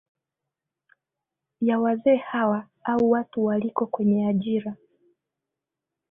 ya wazee hawa au watu waliko kwenye ajira